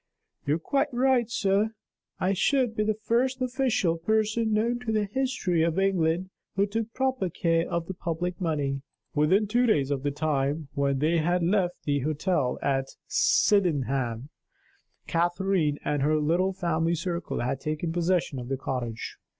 "You are quite right, sir; I should be the first official person known to the history of England who took proper care of the public money." Within two days of the time when they had left the hotel at Sydenham, Catherine and her little family circle had taken possession of the cottage.